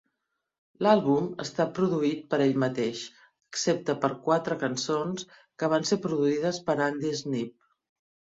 L"àlbum està produït per ell mateix, excepte per quatre cançons que van ser produïdes per Andy Sneap.